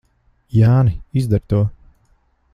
Jāni, izdari to!